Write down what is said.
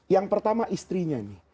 yang pertama istrinya nih